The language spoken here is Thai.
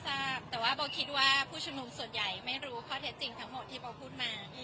ทราบแต่ว่าโบคิดว่าผู้ชุมนุมส่วนใหญ่ไม่รู้ข้อเท็จจริงทั้งหมดที่โบพูดมา